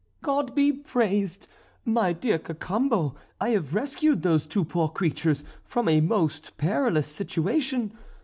"God be praised! My dear Cacambo, I have rescued those two poor creatures from a most perilous situation.